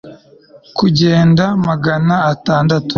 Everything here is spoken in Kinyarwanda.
Kugenda magana atandatu